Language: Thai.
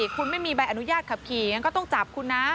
คุณไม่มีใบอนุญาตขับขี่ยังก็ต้องจับคุณนะ